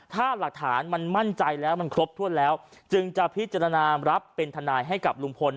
ถ้าหลักฐานมันมั่นใจแล้วมันครบถ้วนแล้วจึงจะพิจารณารับเป็นทนายให้กับลุงพล